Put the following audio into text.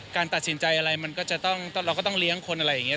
การตัดสินใจอะไรมันก็จะต้องเราก็ต้องเลี้ยงคนอะไรอย่างนี้